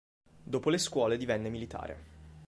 Dopo le scuole divenne militare.